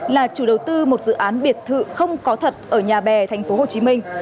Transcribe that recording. là chủ đầu tư một dự án biệt thự không có thật ở nhà bè tp hồ chí minh